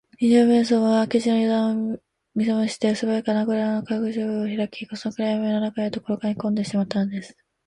二十面相は明智のゆだんを見すまして、すばやく穴ぐらのかくしぶたをひらき、その暗やみの中へころがりこんでしまったのです